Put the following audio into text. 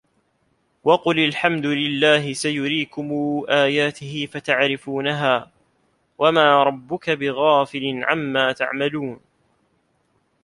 وَقُلِ الحَمدُ لِلَّهِ سَيُريكُم آياتِهِ فَتَعرِفونَها وَما رَبُّكَ بِغافِلٍ عَمّا تَعمَلونَ